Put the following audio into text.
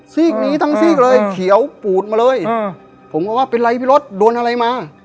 ซีกนี้ทั้งซีกเลยเขียวปูดมาเลยผมก็ว่าเป็นไรพี่รถโดนอะไรมา